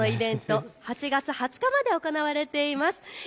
このイベント、８月２０日まで行われています。